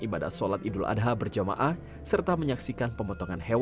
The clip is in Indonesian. ibadah sholat idul adha berjamaah serta menyaksikan pemotongan hewan